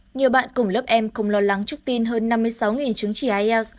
nhiều bạn cùng lớp em cùng lo lắng trước tin hơn năm mươi sáu chứng chỉ ielts